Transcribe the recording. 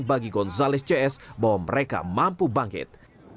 bagi gonzales cs bahwa mereka mampu bangkit